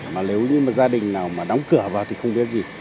mà nếu như một gia đình nào mà đóng cửa vào thì không biết gì